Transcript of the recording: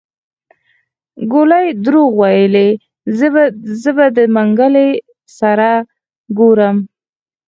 ګولي دروغ ويلي زه به د منګلي سره ګورم.